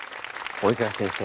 及川先生